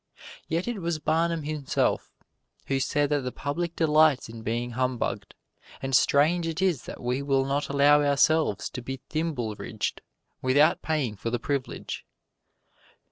Yet it was Barnum himself who said that the public delights in being humbugged, and strange it is that we will not allow ourselves to be thimblerigged without paying for the privilege.